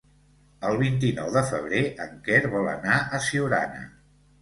El vint-i-nou de febrer en Quer vol anar a Siurana.